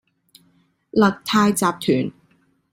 勒泰集團